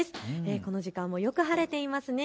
この時間もよく晴れていますね。